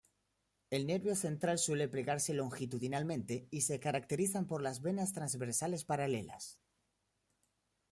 El nervio central suele plegarse longitudinalmente, y se caracterizan por las venas transversales paralelas.